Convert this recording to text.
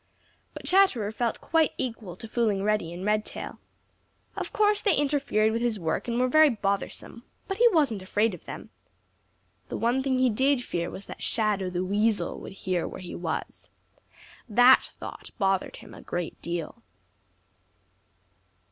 But Chatterer felt quite equal to fooling Reddy and Redtail. Of course they interfered with his work and were very bothersome, but he wasn't afraid of them. The one thing he did fear was that Shadow the Weasel would hear where he was. That thought bothered him a great deal.